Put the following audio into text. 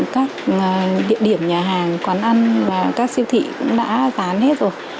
các địa điểm nhà hàng quán ăn và các siêu thị cũng đã bán hết rồi